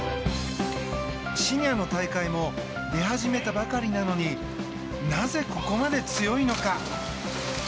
シニアの大会も出始めたばかりなのになぜ、ここまで強いのか。